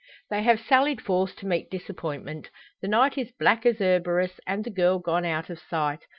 They have sallied forth to meet disappointment. The night is black as Erebus, and the girl gone out of sight.